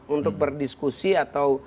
untuk berdiskusi atau